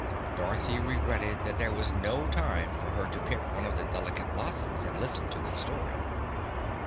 Dorothy regretted that there was no time for her to pick one of the delicate blossoms and listen to its story.